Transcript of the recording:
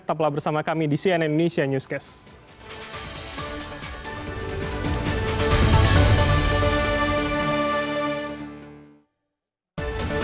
tetaplah bersama kami di cnn indonesia newscast